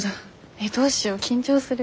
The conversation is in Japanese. えっどうしよう緊張する。